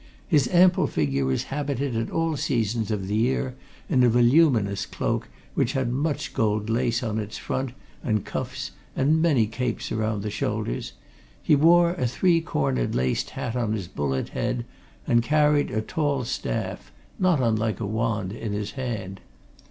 His ample figure was habited at all seasons of the year in a voluminous cloak which had much gold lace on its front and cuffs and many capes about the shoulders; he wore a three cornered laced hat on his bullet head, and carried a tall staff, not unlike a wand, in his hand.